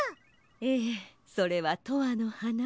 ええそれは「とわのはな」。